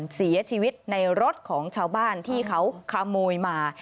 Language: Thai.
เสียชีวิตในรถของชาวบ้านที่เขาขโมยมา